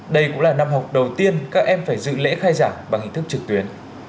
đây cũng là năm học đầu tiên các em phải dự lễ khai giảng bằng hình thức trực tuyến